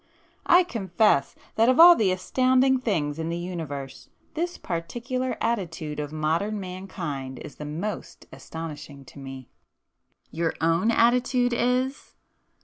I confess, that of all astonishing things in the Universe, this particular attitude of modern mankind is the most astonishing to me!" "Your own attitude is?